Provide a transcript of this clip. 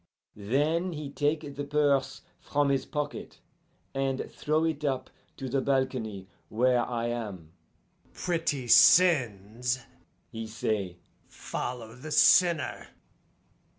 Then he take the purse from his pocket, and throw it up to the balcony where I am. 'Pretty sins,' he say, 'follow the sinner!